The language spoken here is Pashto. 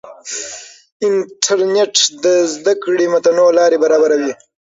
انټرنیټ د زده کړې متنوع لارې برابروي.